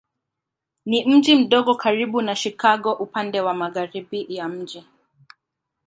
Ni mji mdogo karibu na Chicago upande wa magharibi ya mji.